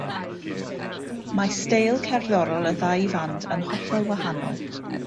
Mae steil cerddorol y ddau fand yn hollol wahanol.